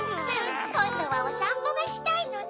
こんどはおさんぽがしたいのね。